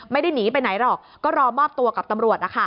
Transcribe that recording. ไม่ได้หนีไปไหนหรอกก็รอมอบตัวกับตำรวจนะคะ